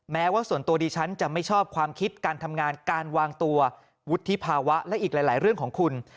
แม้ว่าส่วนตัวดิฉันจะไม่ชอบความคิดการทำงานการวางตัววุฒิภาวะและอีกหลายเรื่องของคุณ